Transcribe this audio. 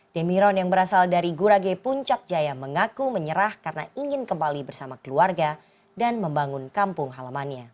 demiron yang berasal dari gurage puncak jaya mengaku menyerah karena ingin kembali bersama keluarga dan membangun kampung halamannya